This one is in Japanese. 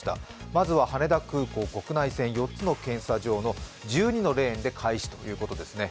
まずは羽田空港、国内線４つの検査場の１２のレーンで開始ということですね。